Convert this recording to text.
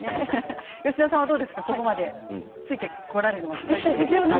吉田さんはここまでついてこられていますか？